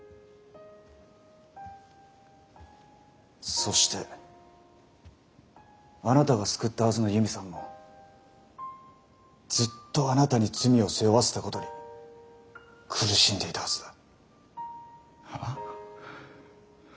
そしてあなたが救ったはずの悠美さんもずっとあなたに罪を背負わせたことに苦しんでいたはずだ。はあ？